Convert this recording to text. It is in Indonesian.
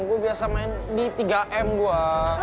gue biasa main di tiga m gue